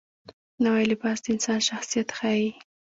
نوی لباس د انسان شخصیت ښیي